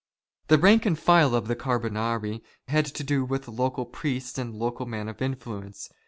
The rank and file of the Carbonari had to do with local priests and local men of influence.